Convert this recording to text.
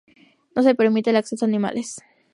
No se permite el acceso a animales.